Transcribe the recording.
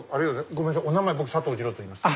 ごめんなさいお名前僕佐藤二朗と言います。